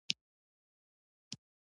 هلک د خپل چاپېریال د ښېرازۍ لپاره هڅه کوي.